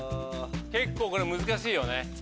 結構これ難しいよね。